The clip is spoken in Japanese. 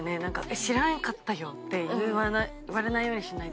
「知らなかったよ」って言われないようにしないと。